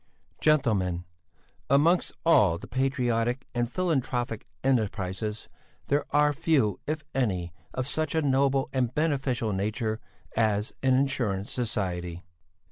"Gentlemen! Amongst all the patriotic and philanthropic enterprises there are few if any of such a noble and beneficial nature as an Insurance Society."